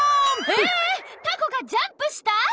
えっタコがジャンプした！？